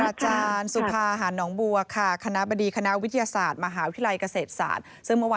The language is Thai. อาจารย์สุภาหารหนองบัวค่ะคณะบดีคณะวิทยาศาสตร์มหาวิทยาลัยเกษตรศาสตร์ซึ่งเมื่อวาน